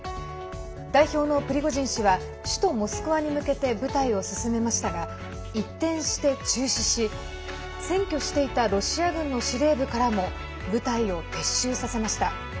代表のプリゴジン氏は首都モスクワに向けて部隊を進めましたが一転して中止し占拠していたロシア軍の司令部からも部隊を撤収させました。